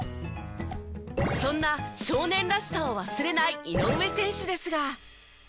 そんな少年らしさを忘れない井上選手ですが。